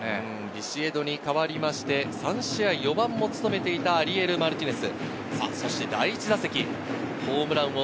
ビシエドに代わって３試合４番を務めていたアリエル・マルティネス。